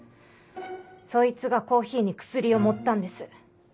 そいつがコーヒーに薬を盛ったんです。